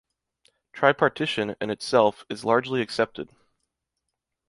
Tripartition, in itself, is largely accepted.